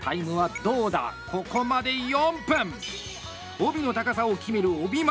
帯の高さを決める帯枕。